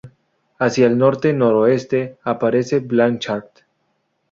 Hacia el norte-noroeste aparece Blanchard.